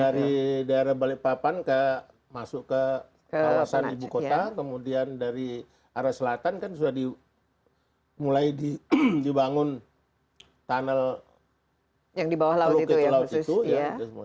dari daerah balikpapan masuk ke kawasan ibu kota kemudian dari arah selatan kan sudah mulai dibangun tunnel yang di bawah teluk itu laut itu ya